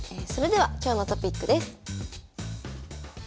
それでは今日のトピックです。